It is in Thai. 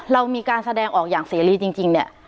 เรามีการแสดงออกอย่างเสรีจริงเนี่ย